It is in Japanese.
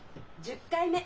１０回目。